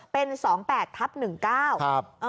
เป็น๒๘ทับ๑๙